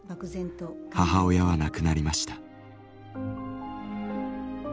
母親は亡くなりました。